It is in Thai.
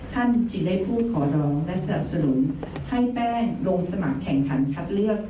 ท่านจึงได้พูดขอร้องและสนับสนุนให้แป้งลงสมัครแข่งขันคัดเลือก